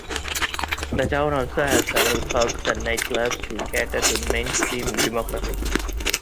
The town also has several pubs and night clubs to cater to mainstream demographics.